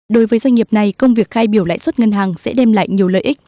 đối với doanh nghiệp này công việc khai biểu lãi suất ngân hàng sẽ đem lại nhiều lợi ích